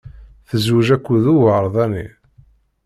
Tezwej akked uwerdani.